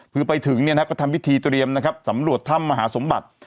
คือไปถึงก็ทำพิธีเตรียมนะครับสำรวจถ้ำมหาสมบัติ